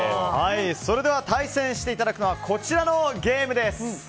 それでは対戦していただくのはこちらのゲームです。